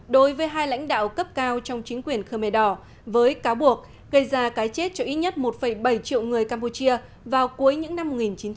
đối với hai lãnh đạo cấp cao trong chính quyền khmer đỏ với cáo buộc gây ra cái chết cho ít nhất một bảy triệu người campuchia vào cuối những năm một nghìn chín trăm bảy mươi